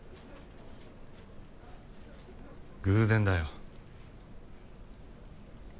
偶然だよ。